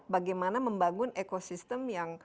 bagaimana membangun ekosistem